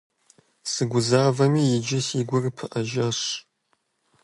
Сыгузэвами, иджы си гур пыӀэжащ.